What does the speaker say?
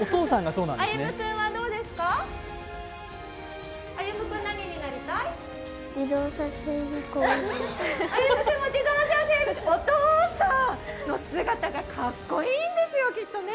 お父さんの姿が格好いいんですよ、きっとね。